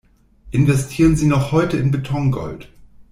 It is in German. Investieren Sie noch heute in Betongold!